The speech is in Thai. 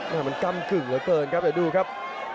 มันกำกึ่งเหลือเกินครับเดี๋ยวดูครับ